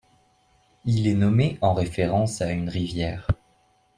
Il est nommé en référence à une rivière.